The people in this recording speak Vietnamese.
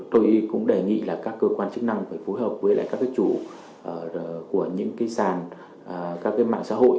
tôi cũng đề nghị là các cơ quan chức năng phải phối hợp với các cái chủ của những cái sàn các mạng xã hội